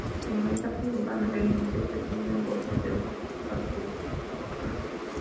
Se alimenta principalmente de insectos, y vive en bosques de hoja caduca.